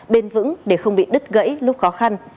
bền vững để không bị đứt gãy lúc khó khăn